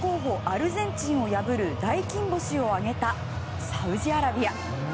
アルゼンチンを破る大金星を挙げたサウジアラビア。